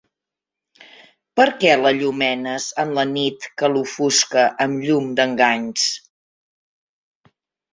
Per què l'allumenes en la nit que l'ofusca amb llum d'enganys?